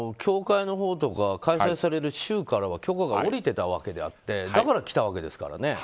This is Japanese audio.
ただ、協会のほうとか開催される州からは許可が下りてたわけであってだから来たわけですからね。